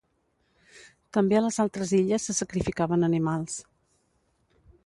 També a les altres illes se sacrificaven animals.